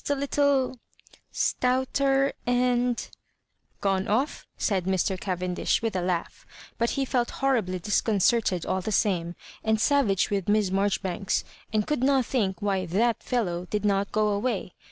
a little — stouter, and—" Gone off?" said Mr. Cavendish, with a laugh ; but he felt horribly disconcerted all the same, and savage with Miss Marjoribanks, and could not think why " that fellow " did not go away.